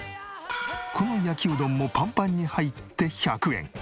この焼きうどんもパンパンに入って１００円。